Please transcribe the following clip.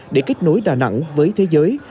để kết nối đà nẵng với thế giới